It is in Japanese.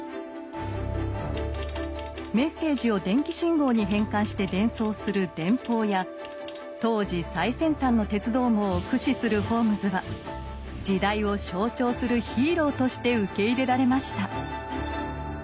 メッセージを電気信号に変換して伝送する電報や当時最先端の鉄道網を駆使するホームズは時代を象徴するヒーローとして受け入れられました。